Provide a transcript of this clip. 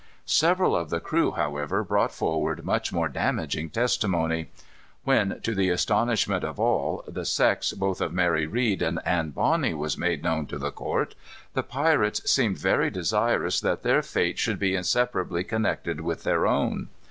Several of the crew, however, brought forward much more damaging testimony. When, to the astonishment of all, the sex both of Mary Read and Anne Bonny was made known to the court, the pirates seemed very desirous that their fate should be inseparably connected with their own.